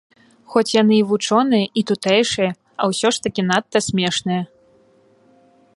Хоць яны і вучоныя і тутэйшыя, а ўсё ж такі надта смешныя.